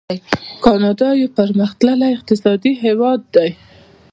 کاناډا یو پرمختللی اقتصادي هیواد دی.